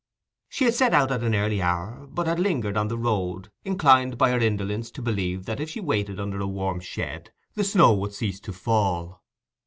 She had set out at an early hour, but had lingered on the road, inclined by her indolence to believe that if she waited under a warm shed the snow would cease to fall.